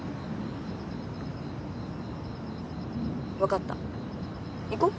分かった行こう。